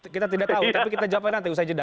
kita tidak tahu tapi kita jawabnya nanti usai jeda